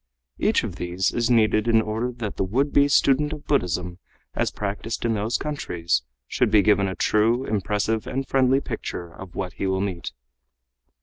Each of these is needed in order that the would be student of Buddhism as practiced in those countries should be given a true, impressive and friendly picture of what he will meet.